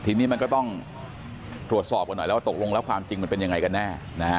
ทีนี้มันก็ต้องตรวจสอบกันหน่อยแล้วว่าตกลงแล้วความจริงมันเป็นยังไงกันแน่นะฮะ